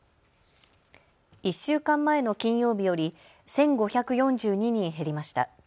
１週間前の金曜日より１５４２人減りました。